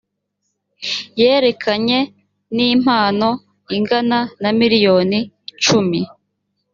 yerekeranye nimpano ingana na miliyoni cumi.